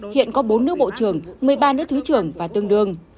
hiện có bốn nước bộ trưởng một mươi ba nước thứ trưởng và tương đương